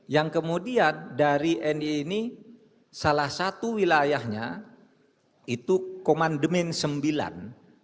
yang kemudian dari ni ini salah satu wilayahnya itu komandemen sembilan